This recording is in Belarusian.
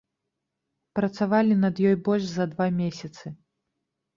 Працавалі над ёй больш за два месяцы.